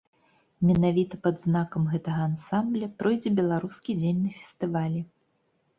Менавіта пад знакам гэтага ансамбля пройдзе беларускі дзень на фестывалі.